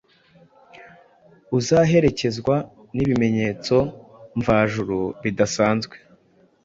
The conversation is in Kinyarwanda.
uzaherekezwa n’ibimenyetso mvajuru bidasanzwe.